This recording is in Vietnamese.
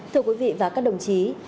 thưa quý vị và các đồng chí